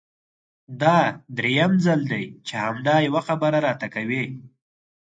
دا درېيم ځل دی چې همدا يوه خبره راته کوې!